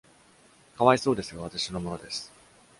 かわいそうですが、私のものです